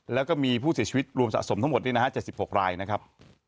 แล้วก็มีผู้เสียชีวิตรวมสะสมทั้งหมด๗๖รายนะครับ